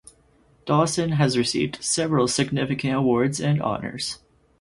Dawson has received several significant awards and honors.